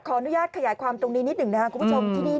ขออนุญาตขยายความตรงนี้นิดหนึ่งนะครับคุณผู้ชมที่นี่